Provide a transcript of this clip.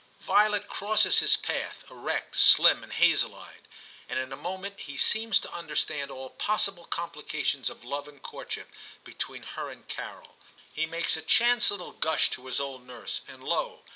Violet crosses his path, erect, slim, and hazel eyed, and in a moment he seems to understand all possible complications of love and courtship between her and Carol. He makes a chance little gush to his old nurse, and lo!